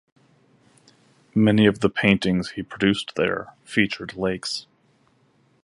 Many of the paintings he produced there featured lakes.